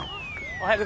おはよう。